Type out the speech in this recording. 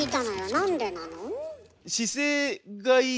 なんでなの？